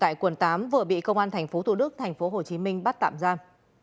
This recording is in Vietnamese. tại quần tám vừa bị công an thành phố thủ đức thành phố hồ chí minh bắt tạm giam